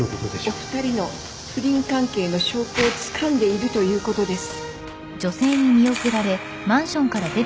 お二人の不倫関係の証拠をつかんでいるということです。